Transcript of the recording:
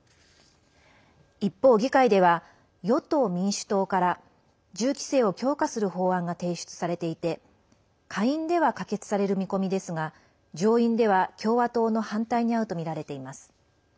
一方、議会では与党・民主党から銃規制を強化する法案が提出されていて下院では可決される見込みですが上院では共和党の反対にあうとみられています。